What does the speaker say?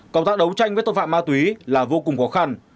công tác đấu tranh với tội phạm ma túy là vô cùng khó khăn